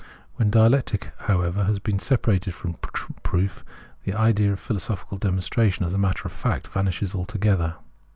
When dialectic, however, has been separated from proof, the idea of philosophical demonstration as a matter of fact vanishes altogether.